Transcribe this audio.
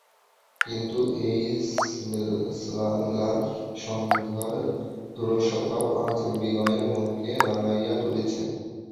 কিন্তু এই ম্লান সন্ধ্যার ধূরসতাও আজ বিনয়ের মনকে রাঙাইয়া তুলিয়াছে।